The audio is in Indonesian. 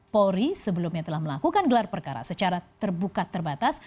polri sebelumnya telah melakukan gelar perkara secara terbuka terbatas